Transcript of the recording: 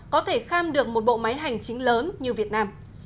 có thể kham được một bộ máy hành chính lớn như việt nam